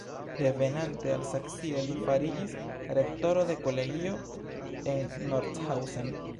Revenante al Saksio, li fariĝis rektoro de kolegio en Nordhausen.